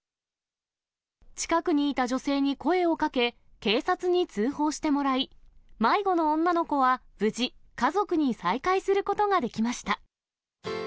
近くにいた女性に声をかけ、警察に通報してもらい、迷子の女の子は無事、家族に再会することができました。